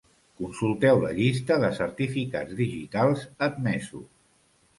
Consulteu la llista de certificats digitals admesos.